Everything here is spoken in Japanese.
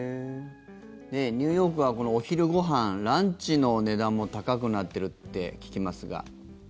ニューヨークはお昼ご飯、ランチの値段も高くなっているって聞きますが。